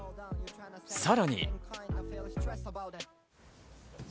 さらに。